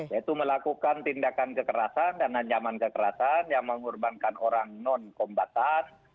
yaitu melakukan tindakan kekerasan dan ancaman kekerasan yang mengorbankan orang non kombatan